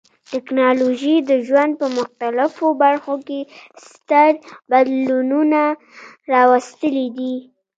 ټکنالوژي د ژوند په مختلفو برخو کې ستر بدلونونه راوستلي دي.